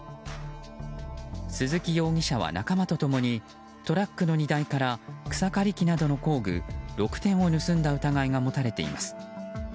鈴木容疑者は仲間と共にトラックの荷台から草刈り機などの工具６点を盗んだ疑いが持たれています。